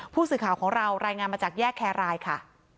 ผู้สื่อข่าวของเรารายงานมาจากแยกแครรายค่ะ